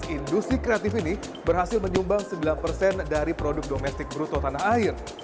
industri kreatif ini berhasil menyumbang sembilan persen dari produk domestik bruto tanah air